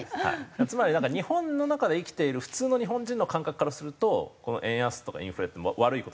つまり日本の中で生きている普通の日本人の感覚からするとこの円安とかインフレって悪い事しかないですよね。